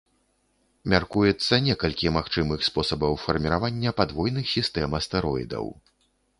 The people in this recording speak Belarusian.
Мяркуецца некалькі магчымых спосабаў фарміравання падвойных сістэм астэроідаў.